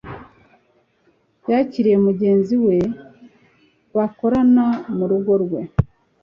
Yakiriye mugenzi we bakorana mu rugo rwe